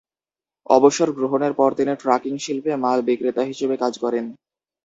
অবসর গ্রহণের পর তিনি ট্রাকিং শিল্পে মাল বিক্রেতা হিসেবে কাজ করেন।